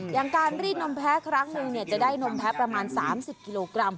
อย่างการรีดนมแพ้ครั้งหนึ่งจะได้นมแพ้ประมาณ๓๐กิโลกรัม